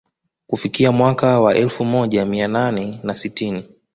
Kufikia mwaka wa elfu moja mia nane na sitini